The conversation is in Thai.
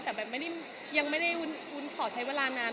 แต่ยังไม่ได้วุ้นขอใช้เวลานาน